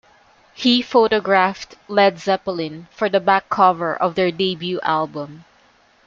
He photographed Led Zeppelin for the back cover of their debut album.